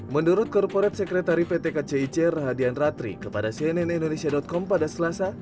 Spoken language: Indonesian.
menurut korporat sekretari pt kcic rahadian ratri kepada cnn indonesia com pada selasa